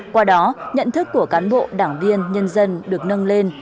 qua đó nhận thức của cán bộ đảng viên nhân dân được nâng lên